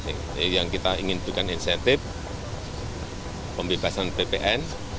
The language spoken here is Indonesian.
ini yang kita ingin bukan insentif pembebasan ppn